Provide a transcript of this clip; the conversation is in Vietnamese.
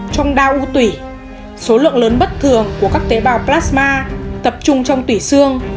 trong đau u tủy số lượng lớn bất thường của các tế bào plasma tập trung trong tủy xương